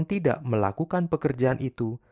mereka akan melakukan pekerjaan itu